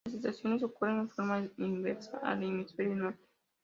Las estaciones ocurren en forma inversa al hemisferio norte.